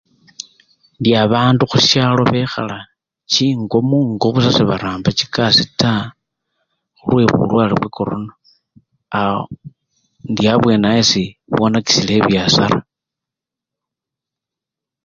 Indi babandu hushalo behala chingo mungo busa sebaramba chikasii taa hulwebulwale bwa corona aa indi abwene awo esii bwonakisila bibyasara